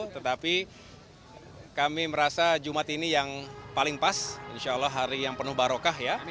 tetapi kami merasa jumat ini yang paling pas insya allah hari yang penuh barokah ya